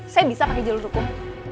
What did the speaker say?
saya bisa pakai jalur hukum